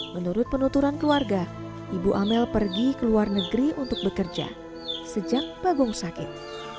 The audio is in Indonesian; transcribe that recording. menurut penuturan keluarga ibu amel pergi ke luar negeri untuk bekerja sejak bagong sakit